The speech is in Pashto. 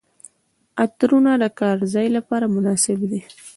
عطرونه د کار ځای لپاره مناسب دي.